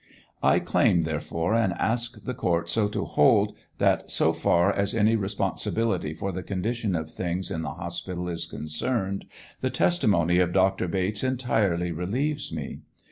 I claim, therefore, and ask the court so to hold, that so far as any respon sibility for the condition of things in the hospital is concerned, the testimony of Dr. Bates entirely relieves me.